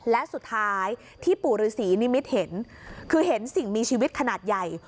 และสุดท้ายที่ปู่ฤษีนิมิตเห็นคือเห็นสิ่งมีชีวิตขนาดใหญ่